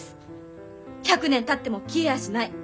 １００年たっても消えやしない。